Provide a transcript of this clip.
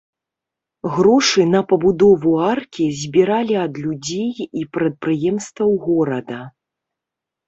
Грошы на пабудову аркі збіралі ад людзей і прадпрыемстваў горада.